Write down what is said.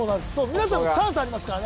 皆さんもチャンスありますからね